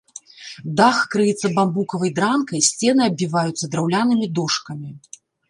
Дах крыецца бамбукавай дранкай, сцены аббіваюцца драўлянымі дошкамі.